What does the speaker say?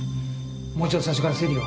もう一度最初から整理を。